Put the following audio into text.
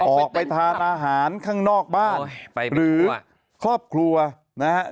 ออกไปทานอาหารข้างนอกบ้านหรือครอบครัวนะฮะ